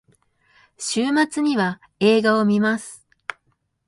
週末には映画を観ます。